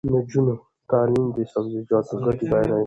د نجونو تعلیم د سبزیجاتو ګټې بیانوي.